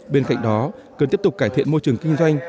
bên cạnh đó cần tiếp tục cải thiện môi trường kinh doanh